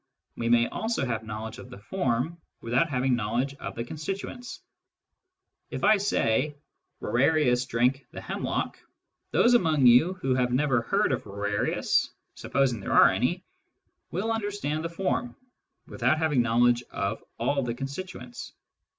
We may also have knowledge of the form without having knowledge of the constituents. If I say, " Rorarius drank the hemlock," those among you who have never heard of Rorarius (sup posing there are any) will understand the form, without having knowledge of all the constituents.